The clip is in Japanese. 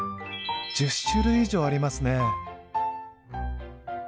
１０種類以上ありますね。